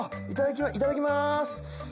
いただきます。